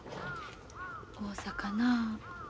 大阪なあ。